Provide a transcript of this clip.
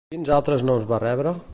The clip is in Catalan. Quins altres noms va rebre?